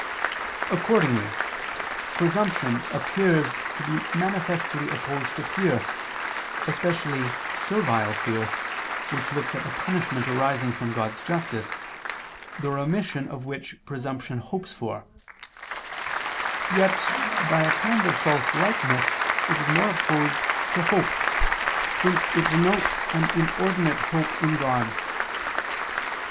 Accordingly presumption appears to be manifestly opposed to fear, especially servile fear, which looks at the punishment arising from God's justice, the remission of which presumption hopes for; yet by a kind of false likeness it is more opposed to hope, since it denotes an inordinate hope in God.